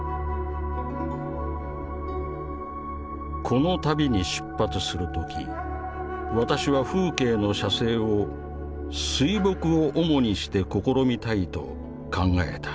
「この旅に出発する時私は風景の写生を水墨を主にして試みたいと考えた。